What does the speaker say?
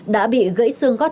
đã bị gãy xương gót